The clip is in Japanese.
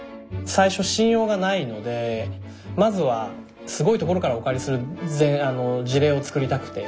最初信用がないのでまずはすごい所からお借りする事例を作りたくて。